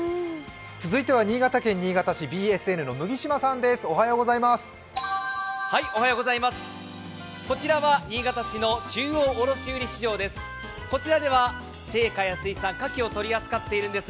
続いては新潟県新潟市、ＢＳＮの麦島さんです。